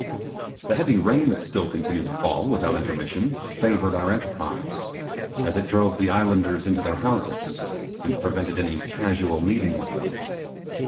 The heavy rain that still continued to fall without intermission favoured our enterprise, as it drove the islanders into their houses, and prevented any casual meeting with them.